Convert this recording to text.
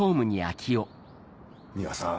三輪さん